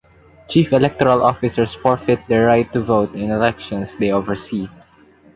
Chief Electoral Officers forfeit their right to vote in elections they oversee.